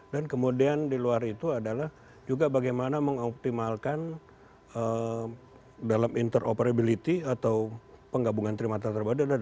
dan kemudian di luar itu adalah juga bagaimana mengoptimalkan dalam interoperability atau penggabungan trimatra terpadu